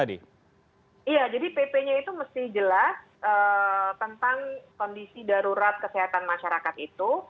iya jadi pp nya itu mesti jelas tentang kondisi darurat kesehatan masyarakat itu